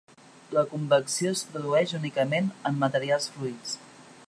La convecció es produeix únicament en materials fluids.